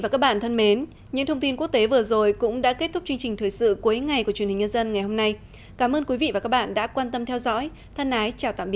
cảm ơn mọi người đã theo dõi